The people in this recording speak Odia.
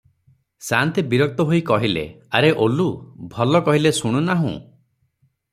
ସା'ନ୍ତେ ବିରକ୍ତ ହୋଇ କହିଲେ, ଆରେ ଓଲୁ, ଭଲ କହିଲେ ଶୁଣୁନାହୁଁ?